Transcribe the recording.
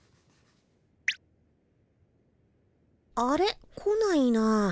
あれ？来ないなあ。